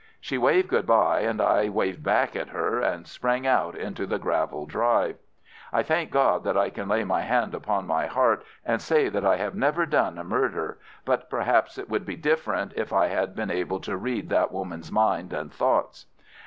She waved good bye, and I waved back at her and sprang out into the gravel drive. I thank God that I can lay my hand upon my heart and say that I have never done a murder, but perhaps it would be different if I had been able to read that woman's mind and thoughts.